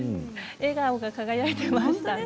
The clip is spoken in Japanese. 笑顔が輝いていましたね。